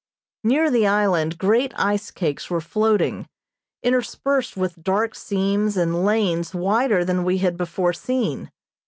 Near the island great ice cakes were floating, interspersed with dark seams and lanes wider than we had before seen.